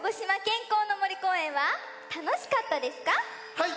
はい！